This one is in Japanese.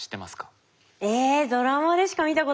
えドラマでしか見たことないですね。